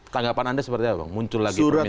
tanggapan anda seperti apa bang muncul lagi pernyataan